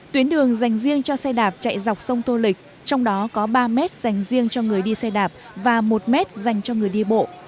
tuyến đường dành riêng cho xe đạp chạy dọc sông tô lịch trong đó có ba mét dành riêng cho người đi xe đạp và một mét dành cho người đi bộ